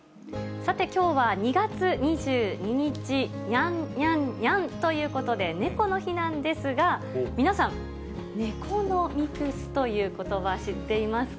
さて、きょうは２月２２日、ニャンニャンニャンということで、猫の日なんですが、皆さん、ネコノミクスということば、知っていますか？